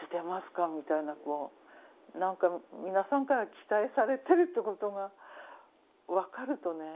みたいな何か皆さんから期待されてるってことが分かるとね